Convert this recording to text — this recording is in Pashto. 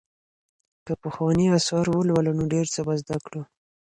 که پخواني آثار ولولو نو ډېر څه به زده کړو.